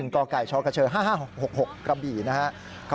กกชกช๕๕๖๖กระบี่นะครับ